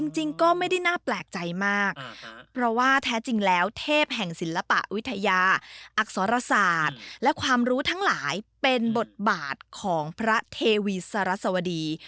จริงก็ไม่ได้น่าแปลกใจมากเพราะว่าแท้จริงแล้วเทพแห่งศิลปวิทยาอักษรศาสตร์และความรู้ทั้งหลายเป็นบทบาทของพระเทวีสรัสวดี